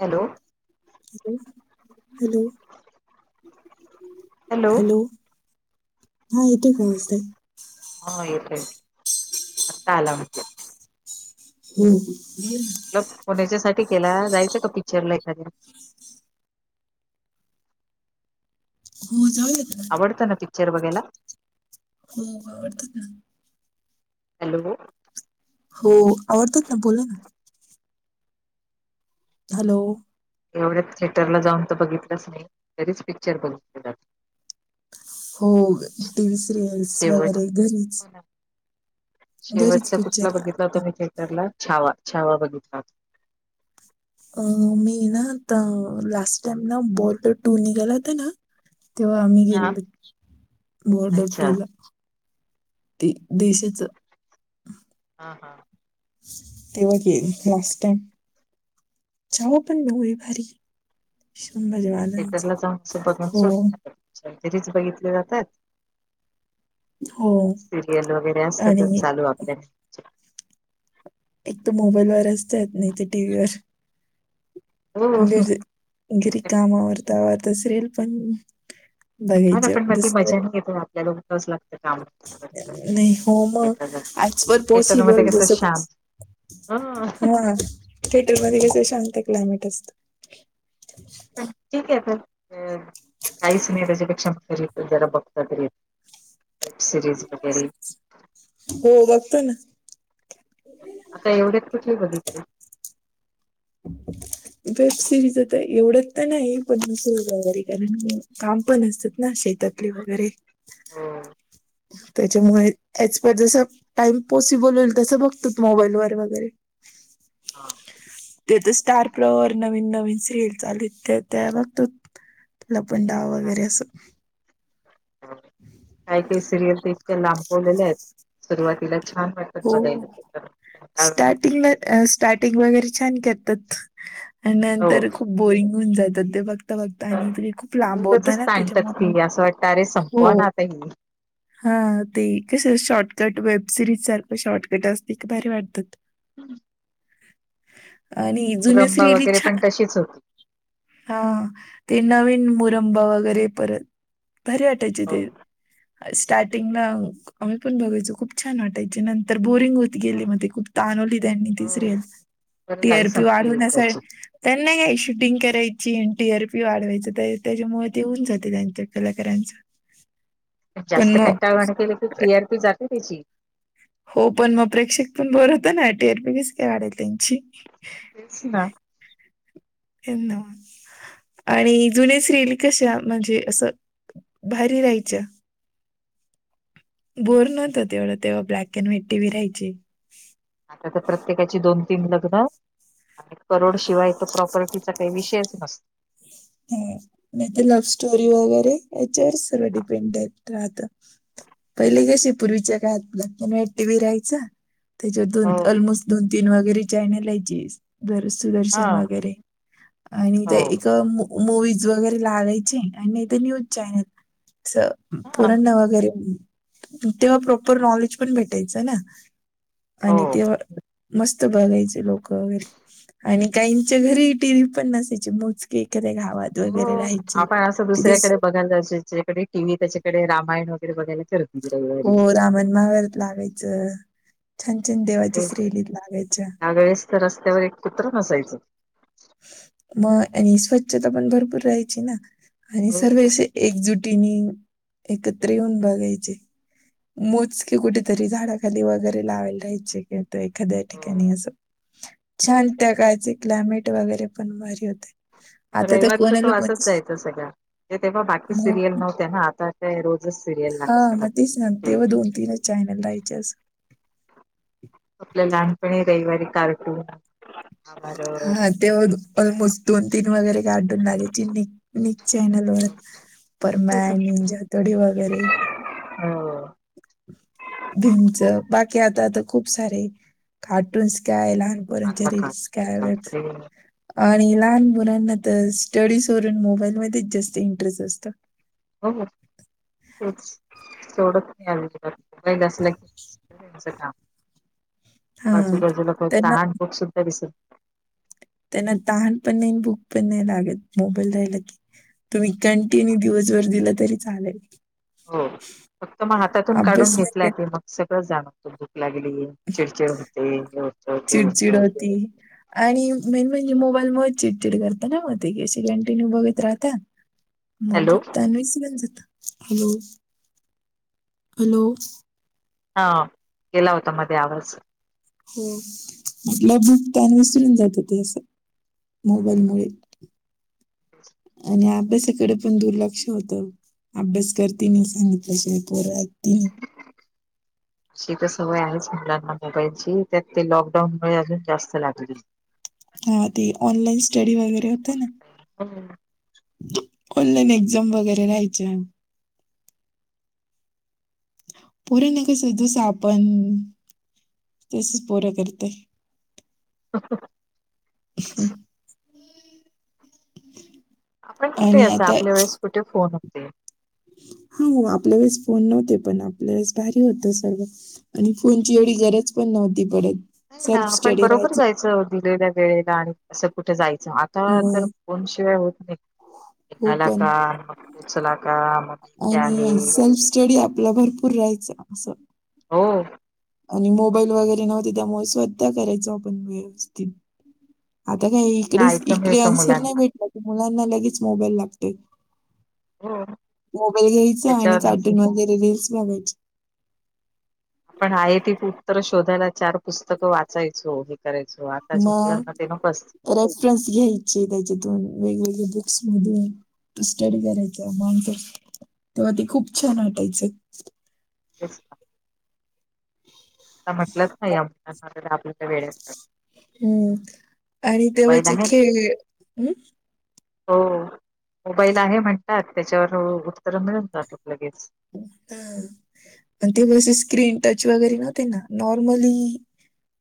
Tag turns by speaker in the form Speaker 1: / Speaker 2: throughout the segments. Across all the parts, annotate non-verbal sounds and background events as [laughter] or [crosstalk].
Speaker 1: Hello.
Speaker 2: Hello hello हा येतोय का आवाज ताई?
Speaker 1: हा येतोय, आत्ता आला म्हणजे.
Speaker 2: [inaudible]
Speaker 1: फोन याच्यासाठी केला जायचं का पिक्चर ला एखाद्या?
Speaker 2: हो जाऊयात ना
Speaker 1: आवडतं ना पिक्चर बघायला?
Speaker 2: हो आवडतात ना.
Speaker 1: हॅलो
Speaker 2: हो आवडतात ना बोला ना. हॅलो
Speaker 1: एवढ्यात थिएटरला जाऊन तर बघितलंच नाही घरीच पिक्चर बघितलं जात
Speaker 2: हो टी व्ही सिरियल्स
Speaker 1: शेवट
Speaker 2: वगैरे घरीच
Speaker 1: हो ना.
Speaker 2: घरीच
Speaker 1: शेवटचा कुठला
Speaker 2: पिक्चर.
Speaker 1: बघितला होता मी थिएटरला छावा छावा बघितला होता.
Speaker 2: अ मी ना आता लास्ट टाइम ना बॉर्डर टू निघाला होता ना? तेव्हा आम्ही
Speaker 1: हा
Speaker 2: गेलेलोत बॉर्डर
Speaker 1: अच्छा
Speaker 2: टू ला. ते देशाचं
Speaker 1: हा हा.
Speaker 2: तेव्हा गे लास्ट टाइम छावा पण मुव्ही भारी संभाजी महाराजांचा.
Speaker 1: थेटरला जाऊन
Speaker 2: हो
Speaker 1: [unintelligible] बघितले जातात.
Speaker 2: हो
Speaker 1: सिरियल वगैरे असतातच
Speaker 2: आणि
Speaker 1: चालू आपल्या.
Speaker 2: एक तर मोबाईल वरचत यत नई त टी व्ही वर.
Speaker 1: हो हो
Speaker 2: घरी घरी
Speaker 1: आता
Speaker 2: काम वरता वरता सिरीयल पण
Speaker 1: हा ना
Speaker 2: बघायचं
Speaker 1: पण म ती
Speaker 2: जसं
Speaker 1: मजा नाही येते आपल्या दोन [unintelligible]
Speaker 2: नाही हो म
Speaker 1: थिएटर
Speaker 2: आजप
Speaker 1: मध्ये
Speaker 2: नपॉसिबल
Speaker 1: कसं
Speaker 2: जसं
Speaker 1: शांत पण
Speaker 2: हा थिएटरमध्ये कस शांत क्लायमेट असतं.
Speaker 1: ठीक आहे तर काहीच नाही त्याच्यापेक्षा जरा बघता तरी ये वेब सिरीज वगैरे.
Speaker 2: हो बघतो ना.
Speaker 1: आता एवढ्याच कुठली बघितली?
Speaker 2: [inaudible] वेब सिरीजत एवढच तर नाही पण [unintelligible] वगैरे कारण काम पण असतात ना शेतात ली वगैरे.
Speaker 1: हो
Speaker 2: त्याच्यामुळे ऍज पर जसा टाइम पॉसिबल होईल तसं बघतच मोबाईल वर वगैरे.
Speaker 1: हा.
Speaker 2: ते तर स्टार प्रवाह वर नवीन नवीन सिरियल चालुयेत त्या त्या बघतोत. लपण डाव वगैरे असं.
Speaker 1: काही काही सिरियल तर इतक्या लांबवलेल्या आहेत सुरुवातीला छान वाट
Speaker 2: हो स्टार्टिंगला अ स्टार्टिंग वगैरे छान करतात आणि
Speaker 1: हो
Speaker 2: नंतर खूप बोरिंग होऊन जातात ते बघ बघता बघता आणि तरी खूप लांबता
Speaker 1: उगचच
Speaker 2: ना
Speaker 1: ताणतात
Speaker 2: त्याच्यामुळे
Speaker 1: ती असं वाटतं अरे
Speaker 2: हो
Speaker 1: संपवा ना आता ही
Speaker 2: हा ते कस शॉर्टकट वेबसिरीज सारखं शॉर्टकट असते क भारी वाटतात.
Speaker 1: [inaudible]
Speaker 2: आणि जुन्या
Speaker 1: मुरंबा
Speaker 2: सिरयली
Speaker 1: वगैरे
Speaker 2: छा
Speaker 1: पण तशीच होती.
Speaker 2: हा ते नवीन मुरंबा वगैरे परत भरी वाटायचे
Speaker 1: हो
Speaker 2: ते. स्टार्टिंगला आम्ही पण बघायचो खूप छान वाटायचे नंतर बोरिंग गेली मग खूप तणवली त्यांनी ती सिरियल
Speaker 1: बरं झालं
Speaker 2: टीआरपी
Speaker 1: संपली
Speaker 2: वाढवण्या
Speaker 1: एकदाची
Speaker 2: त्यांना काय शूटिंग कराय ची टी आर पी वाढवायच त्याच्यामुळे ते होऊन जाते त्यांच्या कलाकारांचं. पण
Speaker 1: जास्त
Speaker 2: मग
Speaker 1: कंटाणवाण केले की टी आर पी जाते त्याची.
Speaker 2: हो पण मग प्रेक्षक पण बोर होत ना ए टी आर पी मीस काढेल त्यांची.
Speaker 1: तेच ना.
Speaker 2: यांना म्हण. आणि जुने सिरियल कशा म्हणजे असं भारी राहायच्या. बोर नव्हतं तेवढं तेव्हा black and white T V राहायचे.
Speaker 1: आता त प्रत्येकाची दोन तीन लग्न आणि करोड शिवाय तो प्रॉपर्टीचा काही विषयच नसतो.
Speaker 2: ह नाही त लव्ह स्टोरी वगैरे याच्यावर सर्व डिपेंड आहेत. राहत पहिलं कशी पूर्वीच्या काळात black and white T V राहायचा त्याच्यात
Speaker 1: हो
Speaker 2: दोन ऑलमोस्ट दोन तीन वगैरे चायनल यायचीस. बर
Speaker 1: हा
Speaker 2: सुदर्शन वगैरे आणि
Speaker 1: हो
Speaker 2: त्या एका मु मूवीज वगैरे लागायचे आणि नाही तर न्यूज चॅनल असं.
Speaker 1: हा
Speaker 2: पोरांना वगैरे तेव्हा प्रॉपर
Speaker 1: तेच.
Speaker 2: नॉलेज पण भेटायचं ना.
Speaker 1: हो.
Speaker 2: आणि ते मस्त बघायचे लोक वगैरे आणि काहींच्या घरी टी व्ही पण नसायची मोजके एखाद्या गावात.
Speaker 1: हो
Speaker 2: वगैरे राहायचे
Speaker 1: आपण असं
Speaker 2: तिथे
Speaker 1: दुसऱ्याकडे बघायला जायचो. ज्याच्याकडे टी व्ही त्याच्याकडे रामायण वगैरे बघायला चलो.
Speaker 2: हो रामायण महाभारत लागायचं छान छान देवाच्या सिरियली त लागायच्या.
Speaker 1: त्यावेेळेस रस्त्यावर एक कुत्र नसायचं.
Speaker 2: म आणि स्वच्छता पण भरपूर राहायची ना. आणि
Speaker 1: हो
Speaker 2: सर्व असे एकजुटीने एकत्र येऊन बघायचे. मोजके कुठेतरी झाडाखाली वगैरे लावायल राहायचे कि एखाद्या ठिकाणी
Speaker 1: हो
Speaker 2: असं छान त्या काळचे क्लायमेट वगैरे पण भारी होते. आता
Speaker 1: रविवार तर तो
Speaker 2: कोणाला कोणती
Speaker 1: असच जसा का सगळ्या तेव्हा बाकी
Speaker 2: हो
Speaker 1: सिरियल नव्ह त्यांना आता ते रोजच सिरियल लागतात.
Speaker 2: चायनल लाईचस.
Speaker 1: आपल्या लहानपणी रविवारी कार्टून महाभारत
Speaker 2: हा ते आ ऑलमोस्ट दोन तीन वगैरे कार्टून लागायची चिननी निक चॅनलवरर
Speaker 1: तेच
Speaker 2: परमॅन निजा तोडी व वगैरे. मी
Speaker 1: हव.
Speaker 2: भीमचं बाकी आता आता खूप सारे कार्टून्स काय लहान पोऱ्यांच्या
Speaker 1: आता
Speaker 2: रील्स काय
Speaker 1: बापरे
Speaker 2: आणि लहान मुलांना तर स्टडीज वून मोबाईलमध्येच जास्त इंटरेस्ट असतं.
Speaker 1: हो हो तेवढच [unintelligible] जास्त नाही. च काम
Speaker 2: हा
Speaker 1: आजूबाजूला भूक
Speaker 2: त्यांना
Speaker 1: तहान भूक सुद्धा दिसत
Speaker 2: त्यांना तहान पण नाही न भूक पण नाही लागत मोबाईल राहायला की. तुम्ही कंटिन्यू दिवसभर दिलं तरी चालेल.
Speaker 1: हो फक्त मग हातातून
Speaker 2: अभ्यास
Speaker 1: काढून
Speaker 2: नाही
Speaker 1: घेतला
Speaker 2: का
Speaker 1: की मग सगळं जाणवतो भूक लागली चिडचिड होते हे होत ते होत.
Speaker 2: ती. आणि मेन म्हणजे मोबाईल चिडचिड करत ना म ते की अशे कंटिन्यू बघत राहता.
Speaker 1: [inaudible]
Speaker 2: म भुक तान विसरून जाता. Hello hello.
Speaker 1: हा गेला होता मध्ये आवाज.
Speaker 2: हो म भुक तहान विसरून जातं ते असं. मोबाईलमुळे. आणि अभ्यासाकडे पण दुर्लक्ष होतं. अभ्यास करती नई सांगितल्या शिवाय पोरं ऐकती नाही.
Speaker 1: [unintelligible] तशी त सवय आहेच मुलांना मोबाईलची त्यात ते लॉकडाऊन मुळे अजून जास्त लागली.
Speaker 2: हा ते ऑनलाईन स्टडी वगैरे होते ना.
Speaker 1: हो.
Speaker 2: ऑनलाईन एक्झाम वगैरे राहायचे. पोरीना कस जस आपण तसच पोर करतय.
Speaker 1: ह. [unintelligible]
Speaker 2: ह. [unintelligible]
Speaker 1: आपण कुठे
Speaker 2: आणि
Speaker 1: असं
Speaker 2: आता
Speaker 1: आपल्या वेळेस कुठे फोन होते.
Speaker 2: हा आपल्या वेळेस फोन नव्हते पण आपल्या वेळेस भारी होत सर्व. आणि फोनची एवढी गरज पण नव्हती परत.
Speaker 1: नाही ना आपण बरोबर जायचं दिलेल्या वेळेला आणि असं कुठे जायचं. आता तर
Speaker 2: मग
Speaker 1: फोन शिवाय होत नाही
Speaker 2: हो
Speaker 1: निघाला
Speaker 2: पण
Speaker 1: का मग पोचला का? मग मी इथे आहे
Speaker 2: आणि सेल्फ स्टडी आपला भरपूर राहायचं असं.
Speaker 1: हो.
Speaker 2: आणि मोबाईल वगैरे नव्हते त्यामुळे स्वतः करायच आपण व्यवस्थित. आता काय
Speaker 1: ते
Speaker 2: इकडेच
Speaker 1: ऐकतं
Speaker 2: इकडे
Speaker 1: मिळतं
Speaker 2: आन्सर नाही
Speaker 1: मुलांना
Speaker 2: भेटला की मुलांना लगेच मोबाईल लागते.
Speaker 1: हो
Speaker 2: मोबाईल घ्यायचा आणि
Speaker 1: त्याच्यावर
Speaker 2: कार्टून वगैरे रीलस बघायचे.
Speaker 1: [inaudible] पण आहे ती उत्तर शोधायला चार पुस्तकं वाचायचो हे करायचो आता
Speaker 2: मग रेफरन्स घ्यायचे त्याच्यातून वेगवेगळे बुक्स मधून. तो स्टडी करायचा माणसात तेव्हा ते खूप छान वाटायचं.
Speaker 1: तेच ना.
Speaker 2: [inaudible]
Speaker 1: [unintelligible]
Speaker 2: हमम आणि
Speaker 1: मोबाईल
Speaker 2: तेव्हाचे
Speaker 1: आहे
Speaker 2: खेळ हम्
Speaker 1: हो मोबाईल आहे म्हणतात त्याच्यावर उत्तर मिळून जातात लगेच.
Speaker 2: प तेव्हा स्क्रीन टच वगैरे नव्हते ना नॉर्मली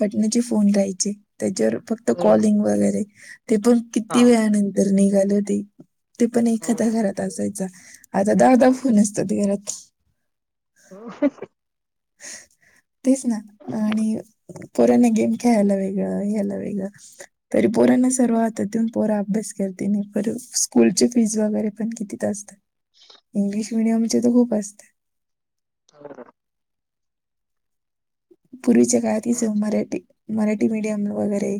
Speaker 2: बटण्याचे फोन राहायचे त्याच्यावर फक्त
Speaker 1: हो
Speaker 2: कॉलिंग वगैरे ते पण
Speaker 1: हा
Speaker 2: किती वेळनंतर निघाल होते. ते पण
Speaker 1: हो
Speaker 2: एखाद्या घरात असायच आता दहादा
Speaker 1: हो
Speaker 2: फोन असतात घरात.
Speaker 1: हो.
Speaker 2: तेच ना आणि पोराना गेम खेळायला वेगळं ह्याला वेगळं तरी पोरांना सर्व हातात देऊन पोरा अभ्यास करते नाही स्कूलची फीज वगैरे पण किती असते इंग्लिश मिडियम तर खूप असते.
Speaker 1: हो.
Speaker 2: पूर्वीच्या काळात हीच
Speaker 1: त्यांच्या
Speaker 2: मराठी. मराठी मिडियम वगैरे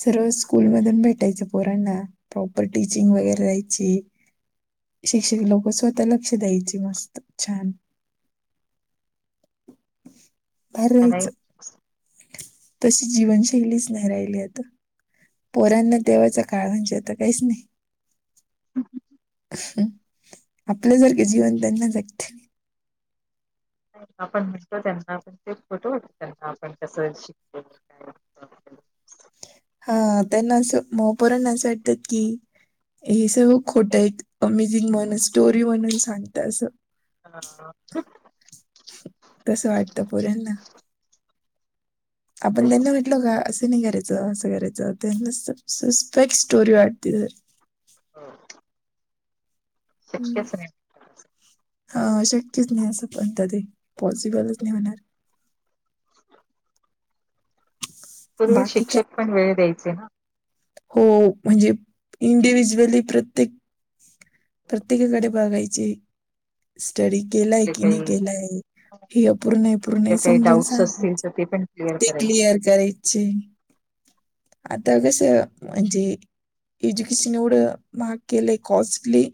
Speaker 2: सर्व स्कूल मधून भेटायचं पोरांना. प्रॉपर टीचिंग वगैरे राहायची. शिक्षक लोक स्वतः लक्ष द्यायचे मस्त छान.
Speaker 1: नाही
Speaker 2: अरयच [unintelligible] तशी जीवनशैलीच नाही राहिली आता. पोराना तेव्हाचा काळ म्हणजे आता काहीच नाही.
Speaker 1: हम.
Speaker 2: आपलं सारख जीवन त्यांना जगते.
Speaker 1: आपण म्हणतो त्यांना आपण ते खोट वाटत त्यांना आपण कस शिक
Speaker 2: हा त्यांना असं माया पोराना असं वाटतात की हे सगळ खोटेत अमेजिंग म्हणून स्टोरी सांगते असं.
Speaker 1: हा [inaudible]
Speaker 2: तस वाटतं पोऱ्यांना. आपण त्यांना
Speaker 1: तेच
Speaker 2: ल का असं नाही करायचं असं करायचं त्यांना सस्पेक स्टोरी वाटते
Speaker 1: हां.
Speaker 2: हम्म अ शक्यच नाही असं पण कधी पॉसिबलच नाही होणार.
Speaker 1: पूर्वी
Speaker 2: बाकी
Speaker 1: शिक्षक पण वेळ द्यायचे ना.
Speaker 2: हो म्हणजे इंडिव्हिज्युअली प्रत्येक प्रत्येकाकडे बघायचे स्टडी केलाय
Speaker 1: आपले
Speaker 2: कि नाही
Speaker 1: काही
Speaker 2: केलाय. हे अपूर्ण
Speaker 1: आपले
Speaker 2: पूर्ण
Speaker 1: काही
Speaker 2: समजून
Speaker 1: डाऊट्स असतील
Speaker 2: सांगायचे
Speaker 1: तर ते पण क्लिअर
Speaker 2: ते
Speaker 1: करायचे
Speaker 2: क्लिअर करायचे. आता कसं म्हणजे एज्युकेशन एवढं महाग केलय कॉस्टली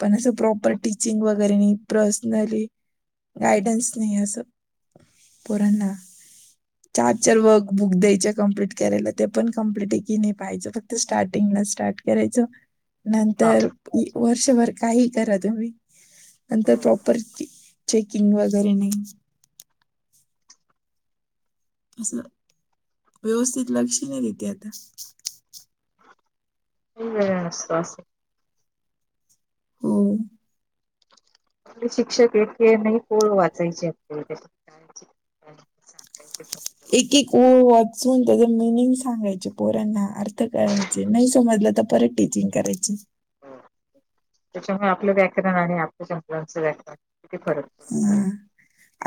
Speaker 2: पण असं प्रॉपर टिचिंग व गैरे नाही पर्सनली गायडन्स नाही असं. पोरांना चार चार वर्क बुक द्यायच्या कम्प्लीट करायला त्या पण कंप्लिट आहे की नाही पाहायचं फक्त स्टार्टिंगला स्टार्ट करायचं
Speaker 1: हा
Speaker 2: नंतर इ वर्षभर काही करा तुम्ही नंतर
Speaker 1: काही
Speaker 2: प्रॉपर टी चेकिंग वगैरे नाही. असं व्यवस्थित लक्ष नाहीे देती आता.
Speaker 1: [unintelligible]
Speaker 2: हो.
Speaker 1: आपले शिक्षक एक न एक ओळ वाचायचे [unintelligible] [unintelligible]
Speaker 2: एक एक ओळ वाचून त्याच मिनिंग सांगायचे पोरांना अर्थ कळ चे नाही समजलं तर परत टीचिंग करायचे.
Speaker 1: हम्म त्याच्यामुळे आपलं व्याकरण आणि आज च्या मुलांच व्याकरण किती फरक? पडतो
Speaker 2: हम्म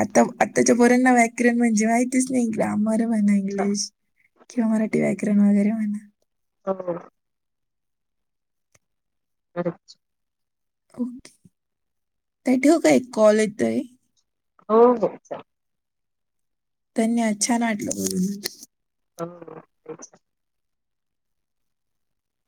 Speaker 2: आता आताच्या पोरंना व्याकरण म्हणजे माहितीच नाही ग्रामर म्हणा इंग्लिश किंवा मराठी व्याकरण वगैरे म्हणा.
Speaker 1: हो. बरोबर.
Speaker 2: ओके ताई ठेवू का एक कॉल येतोय.
Speaker 1: हो हो चालेल.
Speaker 2: त्यांनी आज छान वाटलं बोलून.
Speaker 1: [unintelligible]